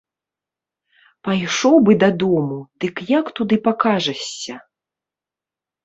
Пайшоў бы дадому, дык як туды пакажашся?